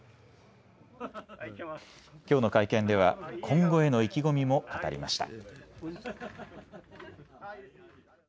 きょうの会見では今後への意気込みも語りました。